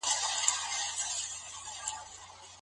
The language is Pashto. قاضي د دين د بدلون پر مهال تفريق کوي.